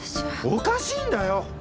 おかしいんだよ！